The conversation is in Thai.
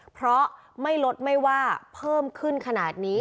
เพราะไม่ลดไม่ว่าเพิ่มขึ้นขนาดนี้